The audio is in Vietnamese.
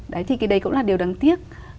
đấy thì cái đấy cũng là điều đáng tiếc